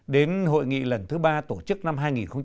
đến hội nghị lần thứ ba tổ chức năm hai nghìn một mươi năm